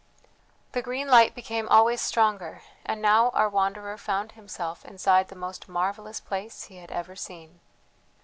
The green light became always stronger; and now our wanderer found himself inside the most marvellous place he had ever seen.